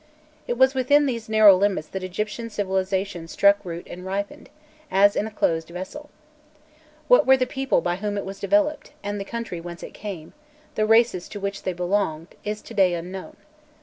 It was within these narrow limits that Egyptian civilization struck root and ripened, as in a closed vessel. What were the people by whom it was developed, the country whence they came, the races to which they belonged, is to day unknown.